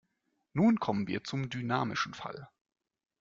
Nun kommen wir zum dynamischen Fall.